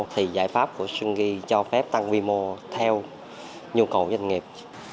thì giải pháp của stringy cho phép tăng quy mô theo nhu cầu doanh nghiệp